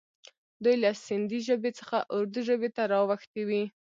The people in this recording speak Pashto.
دوی له سیندي ژبې څخه اردي ژبې ته را اوښتي وي.